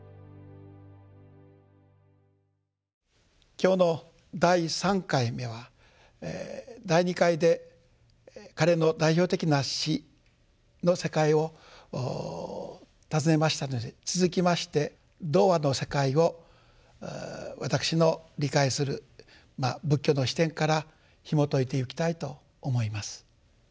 今日の第３回目は第２回で彼の代表的な詩の世界を訪ねましたので続きまして童話の世界を私の理解する仏教の視点からひもといていきたいと思います。